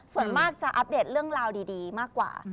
ส่วนมากจะอัปเดตเรื่องราวดีมากกว่า